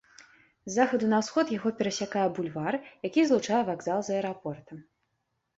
З захаду на ўсход яго перасякае бульвар, які злучае вакзал з аэрапортам.